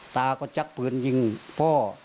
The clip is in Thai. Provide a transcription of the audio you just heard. ตาก็ชักปืนยิงพ่อ